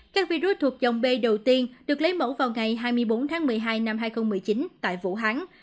các virus thuộc dòng b đầu tiên được lấy mẫu vào ngày hai mươi bốn tháng một mươi hai năm hai nghìn một mươi chín tại vũ hán